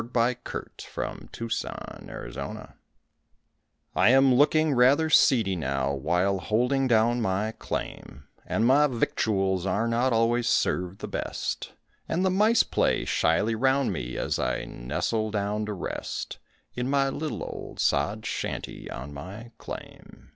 THE LITTLE OLD SOD SHANTY I am looking rather seedy now while holding down my claim, And my victuals are not always served the best; And the mice play shyly round me as I nestle down to rest In my little old sod shanty on my claim.